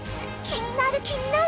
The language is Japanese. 気になる！